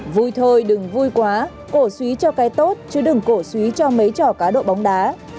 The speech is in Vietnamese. vui thôi đừng vui quá cổ suý cho cái tốt chứ đừng cổ suý cho mấy trò cá độ bóng đá